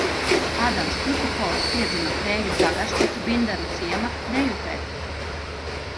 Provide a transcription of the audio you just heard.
Ādams Turkupols piedzima Preiļu pagasta Bindaru ciema Dēļupē.